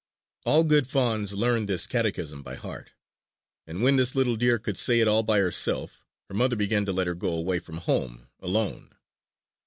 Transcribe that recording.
All good fawns learn this catechism by heart; and when this little deer could say it all by herself, her mother began to let her go away from home alone.